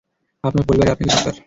আপনার পরিবারের আপনাকে দরকার।